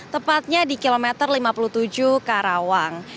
tepatnya di kilometer lima puluh tujuh karawang